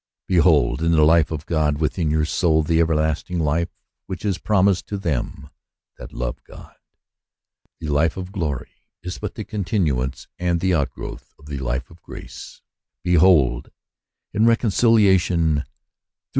Behold, in the life of God within your soul, the everlasting life which is promised to them that love God. The life of glory is but the continuance and the outgrowth of the life of grace. Behold, in reconciliation through Promises in Possession Through the Spirit.